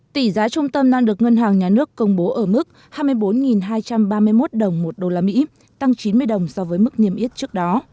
tỷ giá trung tâm đang được ngân hàng nhà nước công bố ở mức hai mươi bốn hai trăm ba mươi một đồng một đô la mỹ tăng chín mươi đồng so với mức niêm yết trước đó